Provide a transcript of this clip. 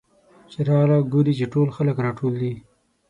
چې راغله ګوري چې خلک راټول دي.